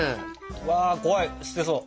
わ怖い捨てそう。